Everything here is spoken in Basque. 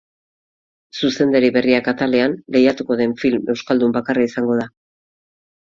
Zuzendari berriak atalean lehiatuko den film euskaldun bakarra izango da.